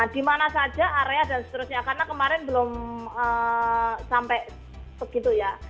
di mana saja area dan seterusnya karena kemarin belum sampai begitu ya